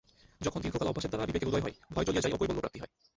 যখন দীর্ঘকাল অভ্যাসের দ্বারা বিবেকর উদয় হয়, ভয় চলিয়া যায় ও কৈবল্যপ্রাপ্তি হয়।